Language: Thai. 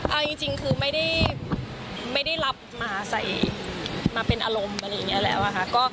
เอาจริงคือไม่ได้รับมาใส่มาเป็นอารมณ์อะไรอย่างนี้แล้วอะค่ะ